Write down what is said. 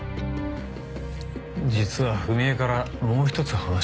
実は史江からもう一つ話を聞いてね。